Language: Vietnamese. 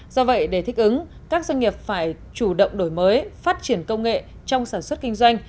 do vậy để thích ứng các doanh nghiệp phải chủ động đổi mới phát triển công nghệ trong sản xuất kinh doanh